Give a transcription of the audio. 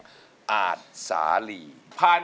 ผมร้องได้ให้ร้อง